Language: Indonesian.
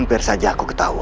yang saja aku tahu